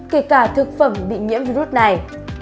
kể cả thực phẩm bị nhiễm virus này